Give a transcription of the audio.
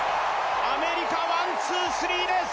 アメリカワン・ツー・スリーです！